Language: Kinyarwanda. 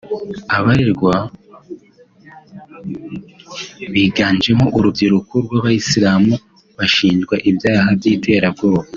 Abaregwa biganjemo urubyiruko rw’Abayisilamu bashinjwaga ibyaha by’iterabwoba